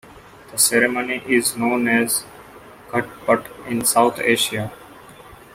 The ceremony is known as "ghat-pat" in South Asia.